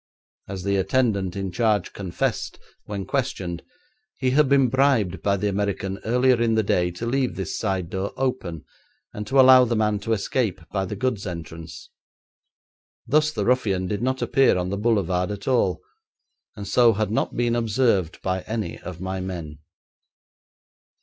As the attendant in charge confessed when questioned, he had been bribed by the American earlier in the day to leave this side door open and to allow the man to escape by the goods entrance. Thus the ruffian did not appear on the boulevard at all, and so had not been observed by any of my men.